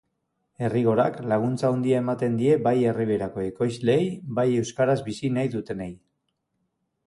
Errigorak laguntza handia ematen die bai Erriberako ekoizleei, bai euskaraz bizi nahi dutenei.